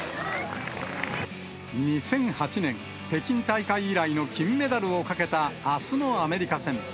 ２００８年北京大会以来の金メダルをかけたあすのアメリカ戦。